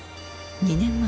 ２年前？